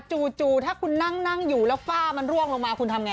จู่ถ้าคุณนั่งอยู่แล้วฝ้ามันร่วงลงมาคุณทำไง